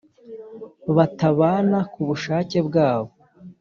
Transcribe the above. Batabana ku bushake bwabo